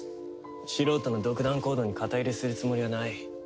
素人の独断行動に肩入れするつもりはない。